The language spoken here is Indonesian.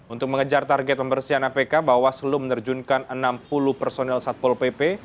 untuk mengejar target membersihkan apk bawaslu menerjunkan enam puluh personil satpul pp